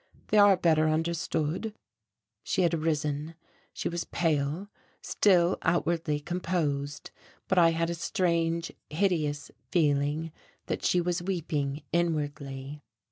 They are better understood." She had risen. She was pale, still outwardly composed, but I had a strange, hideous feeling that she was weeping inwardly.